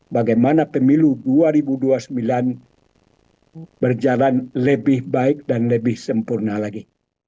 bagaimana pemilu dua ribu dua puluh sembilan berjalan lebih baik dan lebih sempurna lagi